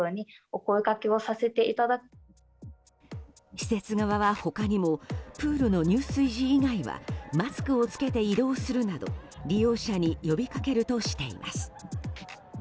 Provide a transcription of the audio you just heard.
施設側は、他にもプールの入水時以外はマスクを着けて移動するなど利用者に呼びかけるとしています。